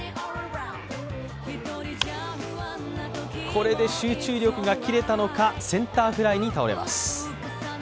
これで集中力が切れたのか、センターフライに倒れます。